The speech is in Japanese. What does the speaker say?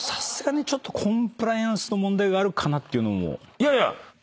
いやいや！